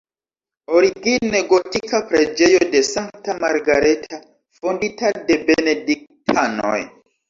Origine gotika preĝejo de Sankta Margareta, fondita de benediktanoj.